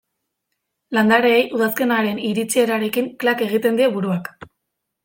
Landareei udazkenaren iritsierarekin klak egiten die buruak.